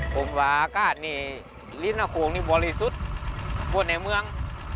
ผมว่าอากาศนี่ลิ้นอาโครงนี่บริสุทธิ์ทั่วในเมือง